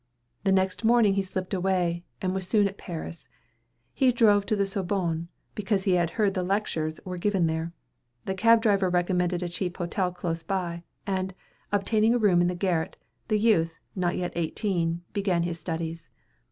The next morning he slipped away, and was soon at Paris. He drove to the Sorbonne, because he had heard that lectures were given there. The cab driver recommended a cheap hotel close by, and, obtaining a room in the garret, the youth, not yet eighteen, began his studies.